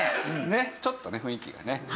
ねっちょっとね雰囲気がね。